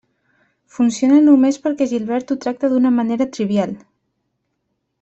Funciona només perquè Gilbert ho tracta d'una manera trivial.